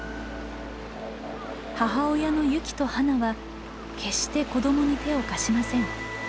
母親のユキとハナは決して子どもに手を貸しません。